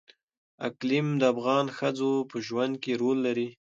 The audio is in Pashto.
اقلیم د افغان ښځو په ژوند کې رول لري.